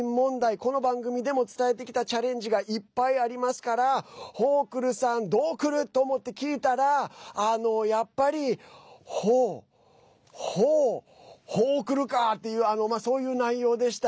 この番組でも伝えてきたチャレンジがいっぱいありますからホークルさんどうくる？と思って聞いたら、やっぱりホーホーホークルか！っていうそういう内容でした。